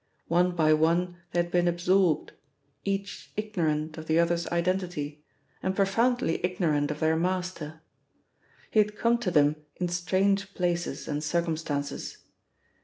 One by one they had been absorbed, each ignorant of the other's identity, and profoundly ignorant of their master. He had come to them in strange places and circumstances.